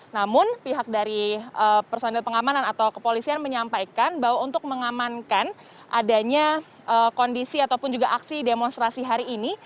namun pihak dari personil pengamanan atau kepolisian menyampaikan bahwa untuk mengamankan adanya kondisi ataupun juga aksi demonstrasi hari ini